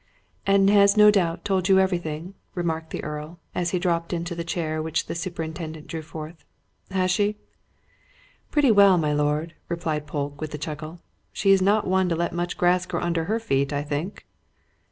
"And has no doubt told you everything?" remarked the Earl, as he dropped into the chair which the superintendent drew forward. "Has she?" "Pretty well, my lord," replied Polke, with a chuckle. "She's not one to let much grass grow under her feet, I think."